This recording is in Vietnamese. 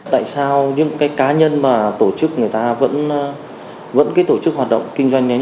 tại sao những cái cá nhân mà tổ chức người ta vẫn cái tổ chức hoạt động